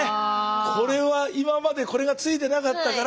これは今までこれが付いてなかったから